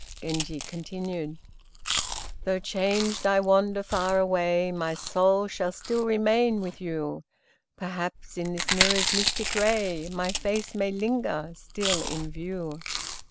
Genji continued: "Though changed I wander far away, My soul shall still remain with you, Perhaps in this mirror's mystic ray, My face may linger still in view."